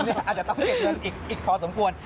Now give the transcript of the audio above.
ผมอาจจะต้องเก็บเงินอีกพอสมควร